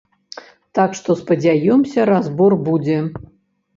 Так што, спадзяёмся, разбор будзе.